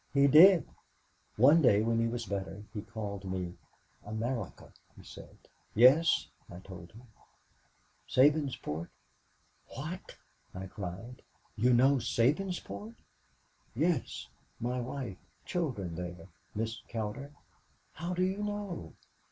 He did. "One day when he was better he called me. 'America?' he said. "'Yes,' I told him. "'Sabinsport?' "'What!' I cried, 'you know Sabinsport?' "'Yes my wife, children there, Miss Cowder?' "'How do you know?'